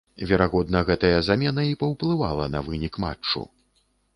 Верагодна, гэтая замена і паўплывала на вынік матчу.